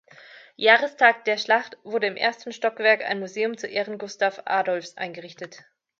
Jahrestag der Schlacht, wurde im ersten Stockwerk ein Museum zu ehren Gustav Adolfs eingerichtet.